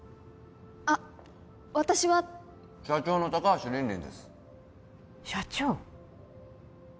あっ私は社長の高橋凜々です社長？